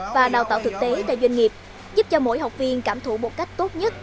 và đào tạo thực tế tại doanh nghiệp giúp cho mỗi học viên cảm thủ một cách tốt nhất